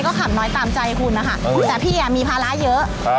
ก็ขับน้อยตามใจคุณนะคะแต่พี่มีภาระเยอะ